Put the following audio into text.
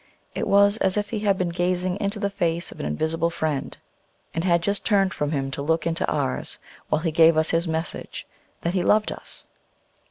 It was as if he had been gazing into the face of an invisible Friend, and bad just turned from Him to look into ours, while he gave us his message, that He loved us.